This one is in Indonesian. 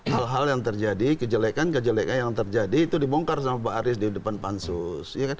hal hal yang terjadi kejelekan kejelekan yang terjadi itu dibongkar sama pak aris di depan pansus